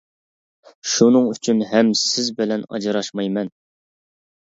شۇنىڭ ئۈچۈن ھەم سىز بىلەن ئاجراشمايمەن.